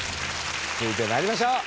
続いて参りましょう。